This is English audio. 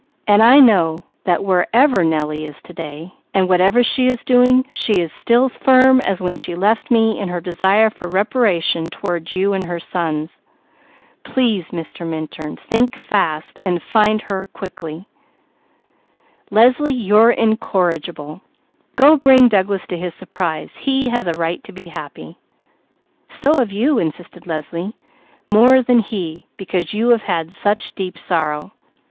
I know that wherever Nellie is to day and whatever she is doing, she is still firm as when she left me in her desire for reparation toward you and her sons. Please think fast, and find her quickly." "Leslie, you're incorrigible! Go bring Douglas to his surprise. He has a right to be happy." "So have you," insisted Leslie. "More than he, because you have had such deep sorrow.